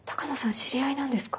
知り合いなんですか？